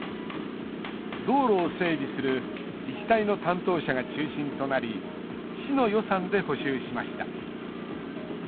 道路を整備する自治体の担当者が中心となり市の予算で補修しました。